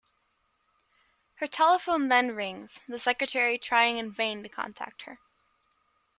Her telephone then rings, the secretary trying in vain to contact her.